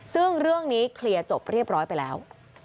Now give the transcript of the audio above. ซึ่งเรื่องนี้เคลียร์จบเรียบร้อยไปแล้ว